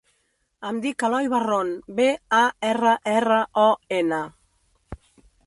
Em dic Eloi Barron: be, a, erra, erra, o, ena.